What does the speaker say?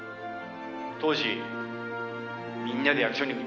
「当時みんなで役所に訴えたよ」